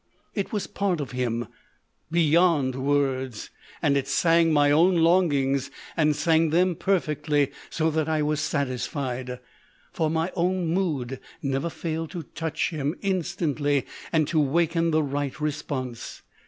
It was part of him â beyond words ; and it sang my own longings, and sang them perfectly so that I was satisfied; for my own mood never failed to touch him in stantly and to waken the right response.